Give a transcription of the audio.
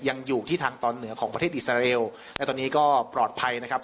ยังอยู่ที่ทางตอนเหนือของประเทศอิสราเอลและตอนนี้ก็ปลอดภัยนะครับ